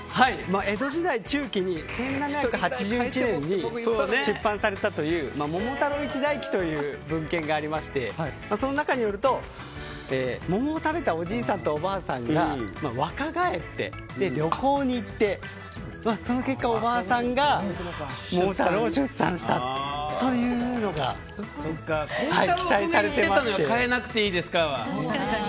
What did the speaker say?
江戸時代中期に１７８１年に出版されたという「桃太郎一代記」という文献がありましてその中によると桃を食べたおじいさんとおばあさんが若返って旅行に行ってその結果、おばあさんが桃太郎を出産したというのが記載されていまして。